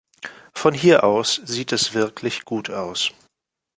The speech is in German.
Von hier aus sieht es wirklich gut aus.